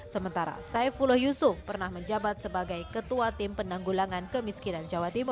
sementara saifuloh yusuf pernah menjabat sebagai ketua tim penanggulangan kemiskinan